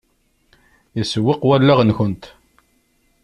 Isewweq wallaɣ-nkent.